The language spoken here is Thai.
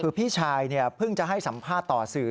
คือพี่ชายเพิ่งจะให้สัมภาษณ์ต่อสื่อ